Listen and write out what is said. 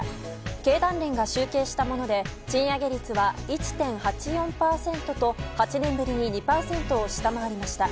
経団連が集計したもので賃上げ率は１．８４％と８年ぶりに２％を下回りました。